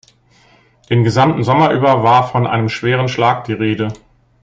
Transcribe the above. Den gesamten Sommer über war von einem schweren Schlag die Rede.